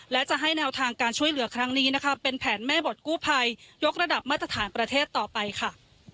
และจะให้แนวทางการช่วยเหลือครั้งนี้นะคะเป็นแผนแม่บทกู้ภัยยกระดับมาตรฐานประเทศต่อไปค่ะ